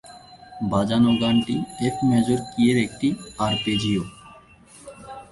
বাজানো গানটি F major কী-এর একটি 'আরপেজিও'।